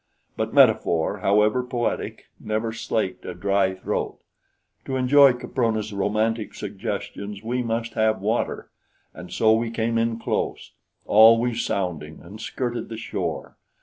But metaphor, however poetic, never slaked a dry throat. To enjoy Caprona's romantic suggestions we must have water, and so we came in close, always sounding, and skirted the shore.